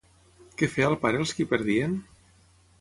Què feia el pare als qui perdien?